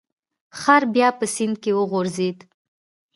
خر بیا په سیند کې وغورځید.